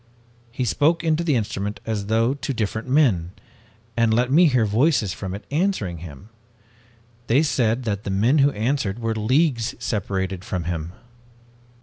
He spoke into the instrument as though to different men, and let me hear voices from it answering him! They said that the men who answered were leagues separated from him!